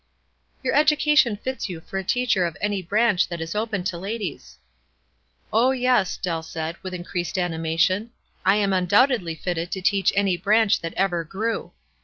"Your education fits you for a teacher of any branch that is open to ladies." "Oh, yes," Dell said, with increased anima tion, ,P I am undoubtedly fitted to teach any branch that ever grew.